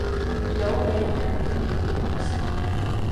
No bayonet could be used.